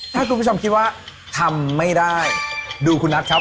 ถ้าคุณผู้ชมคิดว่าทำไม่ได้ดูคุณนัทครับ